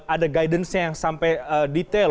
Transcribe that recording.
ada guidance nya yang sampai detail